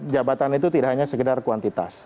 jabatan itu tidak hanya sekedar kuantitas